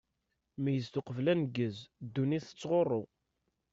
Meyyzet uqbel aneggez, ddunit tettɣuṛṛu!